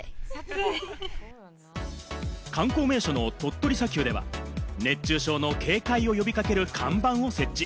観光名所の鳥取砂丘では、熱中症の警戒を呼びかける看板を設置。